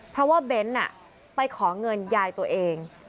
เพราะว่าเบ้นไปขอเงินยายตัวเอง